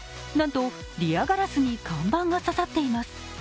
なんとリアガラスに看板が刺さっています。